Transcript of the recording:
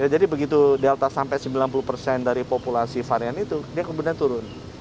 jadi begitu delta sampai sembilan puluh dari populasi varian itu dia kemudian turun